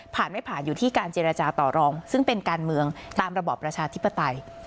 ผ่านไม่ผ่านอยู่ที่การเจรจาต่อรองซึ่งเป็นการเมืองตามระบอบประชาธิปไตย